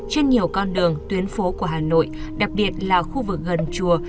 trên nhiều con đường tuyến phố của hà nội đặc biệt là khu vực gần chùa